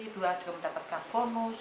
dua juga mendapatkan bonus